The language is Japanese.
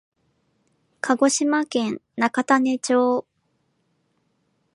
鹿児島県中種子町